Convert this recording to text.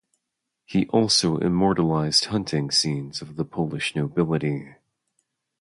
He also immortalized hunting scenes of the Polish nobility.